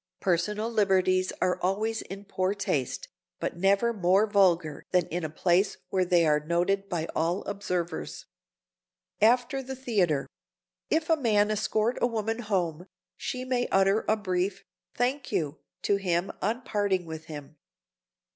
Personal liberties are always in poor taste, but never more vulgar than in a place where they are noted by all observers. [Sidenote: AFTER THE THEATER] If a man escort a woman home, she may utter a brief "Thank you!" to him on parting with him.